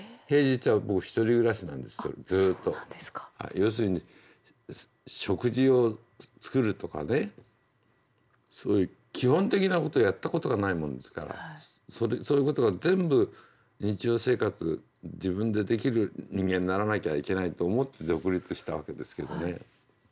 要するに食事を作るとかねそういう基本的なことをやったことがないもんですからそういうことが全部日常生活自分でできる人間にならなきゃいけないと思って独立したわけですけどね。